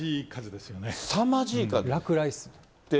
すさまじい数。